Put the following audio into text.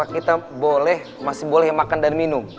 kita boleh masih boleh makan dan minum